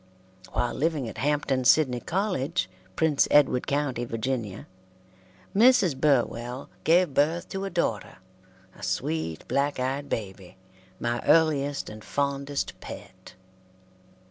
While living at Hampton Sidney College, Prince Edward County, Va., Mrs. Burwell gave birth to a daughter, a sweet, black eyed baby, my earliest and fondest pet.